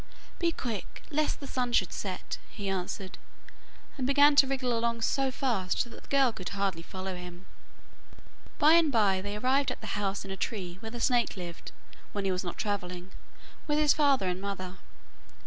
'Be quick, lest the sun should set,' he answered, and began to wriggle along so fast that the girl could hardly follow him. By and bye they arrived at the house in a tree where the snake lived, when he was not travelling with his father and mother.